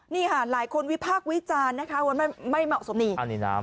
นี่ค่ะหลายคนวิพากษ์วิจารณ์นะคะว่าไม่เหมาะสมนี่น้ำ